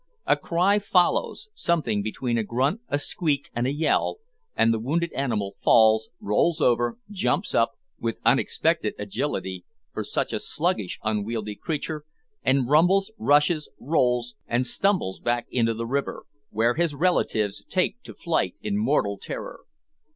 A cry follows, something between a grunt, a squeak, and a yell, and the wounded animal falls, rolls over, jumps up, with unexpected agility for such a sluggish, unwieldy creature, and rumbles, rushes, rolls, and stumbles back into the river, where his relatives take to flight in mortal terror.